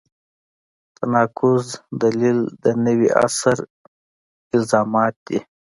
تناقض دلیل د نوي عصر الزامات دي.